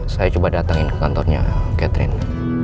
saya coba datangin ke kantornya catherine